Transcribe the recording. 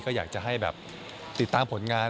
ก็อยากจะให้แบบติดตามผลงาน